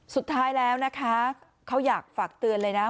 สุดท้ายแล้วนะคะเขาอยากฝากเตือนเลยนะ